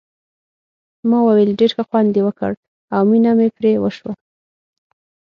ما وویل ډېر ښه خوند یې وکړ او مینه مې پرې وشوه.